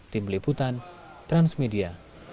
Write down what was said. tim liputan transmedia